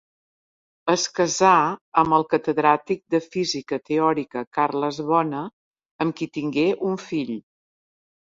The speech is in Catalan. Es casà amb el catedràtic de Física Teòrica Carles Bona, amb qui tingué un fill.